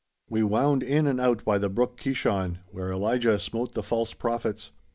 We wound in and out by the brook Kishon, where Elijah smote the false prophets.